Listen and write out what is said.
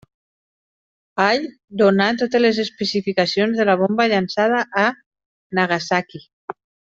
Hall donà totes les especificacions de la bomba llançada a Nagasaki.